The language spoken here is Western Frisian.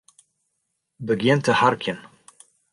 Begjin te harkjen.